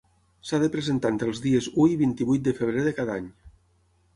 S'ha de presentar entre els dies u i vint-i-vuit de febrer de cada any.